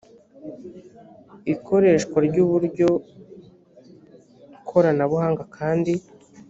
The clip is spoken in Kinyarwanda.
ikoreshwa ry uburyo koranabuhanga kandi